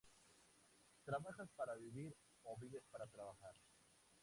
¿Trabajas para vivir o vives para trabajar?